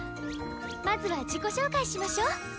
まずは自己紹介しましょ！